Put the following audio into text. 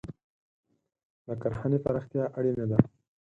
د کرهنې پراختیا اړینه ده.